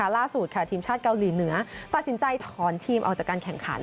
ล่าสุดทีมชาติเกาหลีเหนือตัดสินใจถอนทีมออกจากการแข่งขัน